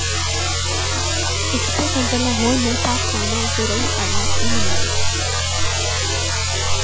expo centre Lahore میں Pak China زرعی الات کی نمائش